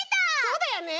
そうだよね！